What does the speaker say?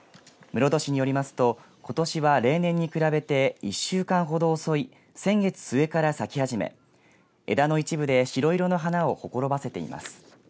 室戸市によりますとことしは例年に比べて１週間ほど遅い先月末から咲き始め枝の一部で白色の花をほころばせています。